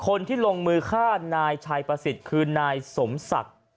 คนที่ลงมือฆ่านายชัยประสิทธิ์คือนายสมศักดิ์